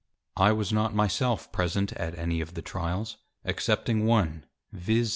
I was not myself present at any of the Tryals, excepting one, _viz.